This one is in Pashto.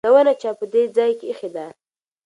دا ونه چا په دې ځای کې ایښې ده؟